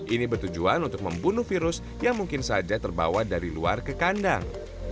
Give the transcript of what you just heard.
ini bertujuan untuk membunuh virus yang mungkin saja terbawa dari luar ke kandang